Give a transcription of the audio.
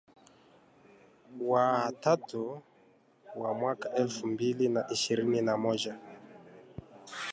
wa tatu wa mwaka elfu mbili na ishirini na moja